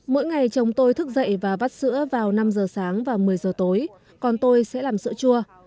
mỗi ngày chồng tôi thức dậy và vắt sữa vào năm giờ sáng và một mươi giờ tối còn tôi sẽ làm sữa chua